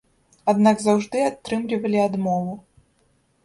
Аднак заўжды атрымлівалі адмову.